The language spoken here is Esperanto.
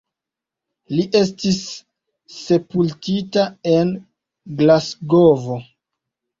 Li estis sepultita en Glasgovo.